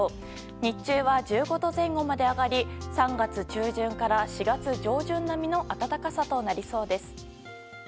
日中は１５度前後まで上がり３月中旬から４月上旬並みの暖かさとなりそうです。